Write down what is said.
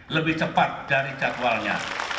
lebih cepat dari jadwalnya